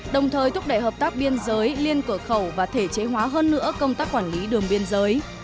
đồng thời thúc đẩy hợp tác biên giới liên cửa khẩu và thể chế hóa hơn nữa công tác quản lý đường biên giới